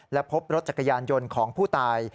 และพบรถจักรยานยนต์ของผู้ตาย